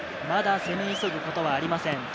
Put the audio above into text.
まだ攻め急ぐことはありません。